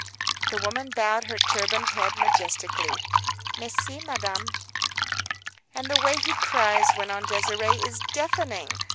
The woman bowed her turbaned head majestically, "Mais si, Madame." "And the way he cries," went on Désirée, "is deafening.